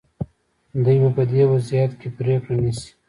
دوی به په دې وضعیت کې پرېکړه نیسي.